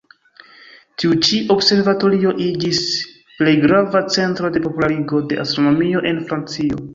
Tiu-ĉi observatorio iĝis plej grava centro de popularigo de astronomio en Francio.